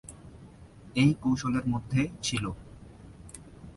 এই কৌশলের মধ্যে ছিল।